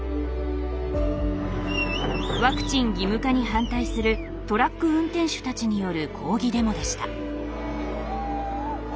ワクチン義務化に反対するトラック運転手たちによる抗議デモでした。